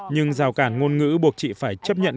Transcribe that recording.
nhưng cản ngôn ngữ buộc chị phải chấp nhận